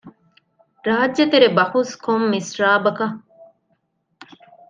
ރާއްޖެތެރެ ބަހުސް ކޮން މިސްރާބަކަށް؟